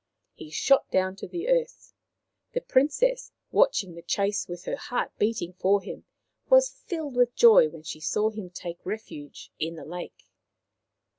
He shot down to the earth. The Princess, watching the chase with her heart beating for him, was filled with joy when she saw him take refuge in the lake.